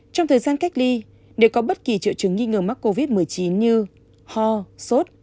trong thời gian cách ly để có bất kỳ triệu chứng nghi ngờ mắc covid một mươi chín như ho sốt